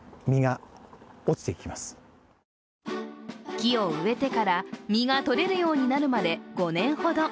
木を植えてから実が採れるようになるまで５年ほど。